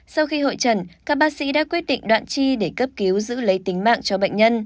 sau khi hội trần các bác sĩ đã quyết định đoạn chi để cấp cứu giữ lấy tính mạng cho bệnh nhân